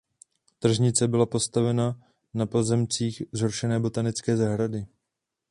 Tržnice byla postavena na pozemcích zrušené botanické zahrady.